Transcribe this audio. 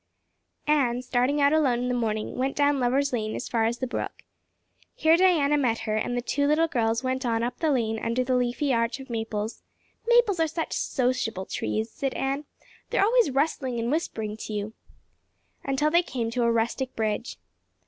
Anne, starting out alone in the morning, went down Lover's Lane as far as the brook. Here Diana met her, and the two little girls went on up the lane under the leafy arch of maples "maples are such sociable trees," said Anne; "they're always rustling and whispering to you" until they came to a rustic bridge.